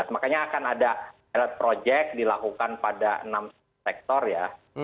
makanya akan ada pilot project dilakukan pada enam sektor ya